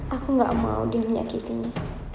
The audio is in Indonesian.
aku gak mau dia menyakitinya